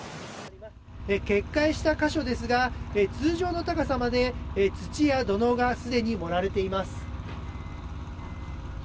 決壊した箇所ですが通常の高さまで、土や土のうがすでに盛られています。